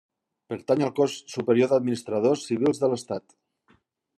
Pertany al Cos Superior d'Administradors Civils de l'Estat.